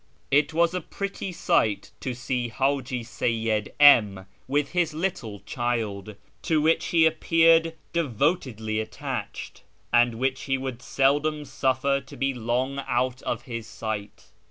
It was a pretty sight to see Haji Seyyid M with his little child, to which he appeared devotedly attached, and which he would seldom suffer to be lonff out of his siaiit.